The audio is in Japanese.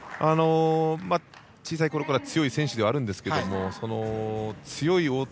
小さいころから強い選手ではあるんですが強い太田彪